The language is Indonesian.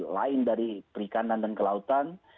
lain dari perikanan dan kelautan